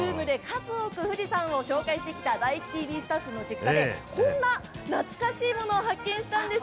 ズームで数多く富士山を紹介してきた第一ＴＶのスタッフの実家で、こんな懐かしいものを発見したんです。